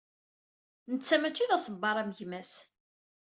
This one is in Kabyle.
Netta mačči d aṣebbar am gma-s.